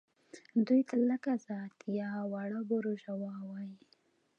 دوی ته لږ ازاد یا واړه بوروژوا وايي.